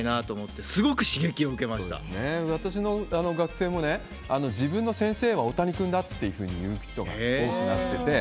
私の学生もね、自分の先生は大谷君だって言う人が多くなってて。